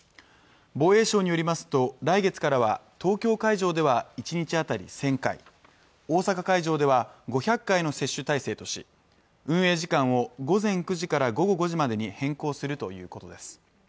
防衛省によりますと来月からは東京会場では１日あたり１０００回大阪会場では５００回の接種体制とし運営時間を午前９時から午後５時までに変更するということです